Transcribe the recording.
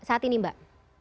saat ini mbak